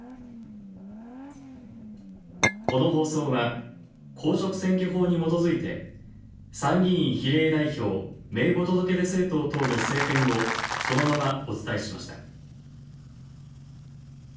この放送は、公職選挙法にもとづいて参議院比例代表名簿届出政党等の政見をそのままお伝えしました。